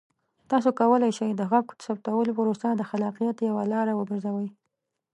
تاسو کولی شئ د غږ ثبتولو پروسه د خلاقیت یوه لاره وګرځوئ.